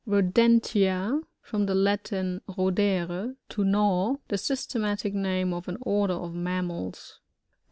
RoDENTiA — From the Latin, rodere, to gnaw. The systematic name of an order of mammals.